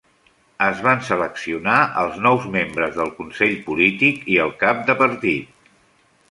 Es van seleccionar els nous membres del Consell Polític i el Cap de Partit.